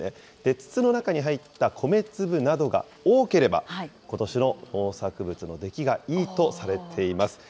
筒の中に入った米粒などが多ければ、ことしの農作物の出来がいいとされています。